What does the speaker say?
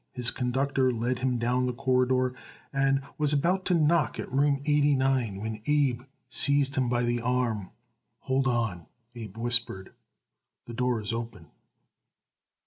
His conductor led him down the corridor and was about to knock at room eighty nine when Abe seized him by the arm. "Hold on," Abe whispered. "The door is open."